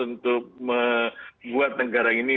untuk membuat negara ini